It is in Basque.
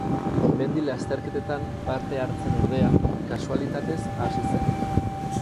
Mendi lasterketetan parte hartzen ordea, kasualitatez hasi zen.